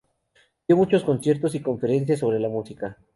Dio muchos conciertos y conferencias sobre música.